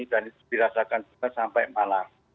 dan itu dirasakan sudah sampai malam